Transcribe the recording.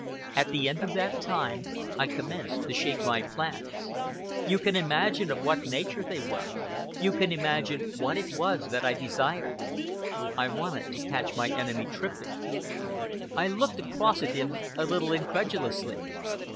At the end of that time, I commenced to shape my plans. You can imagine of what nature they were. You can imagine what it was that I desired. I wanted to catch my enemy tripping." I looked across at him a little incredulously.